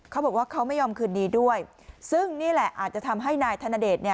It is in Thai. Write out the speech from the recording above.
เขาบอกว่าเขาไม่ยอมคืนดีด้วยซึ่งนี่แหละอาจจะทำให้นายธนเดชเนี่ย